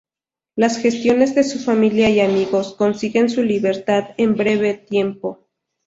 Las gestiones de su familia y amigos consiguen su libertad en breve tiempo.